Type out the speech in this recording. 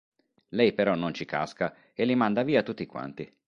Lei però non ci casca e li manda via tutti quanti.